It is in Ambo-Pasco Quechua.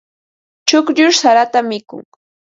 Chukllush sarata mikun.